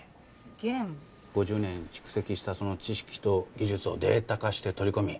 ５０年蓄積したその知識と技術をデータ化して取り込み